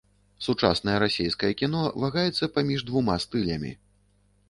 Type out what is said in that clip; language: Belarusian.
Сучаснае расейскае кіно вагаецца паміж двума стылямі.